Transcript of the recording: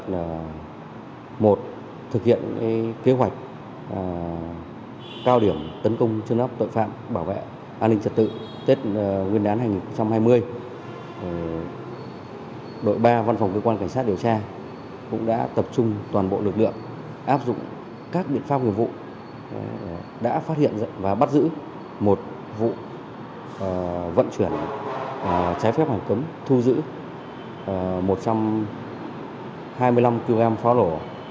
trong cái đợt thực hiện kế hoạch cao điểm tấn công chương áp tội phạm bảo vệ an ninh trật tự tết nguyên đán hai nghìn hai mươi đội ba văn phòng cơ quan cảnh sát điều tra cũng đã tập trung toàn bộ lực lượng áp dụng các biện pháp nguyện vụ đã phát hiện và bắt giữ một vụ vận chuyển trái phép hoàn cấm thu giữ một trăm hai mươi năm kg pháo lổ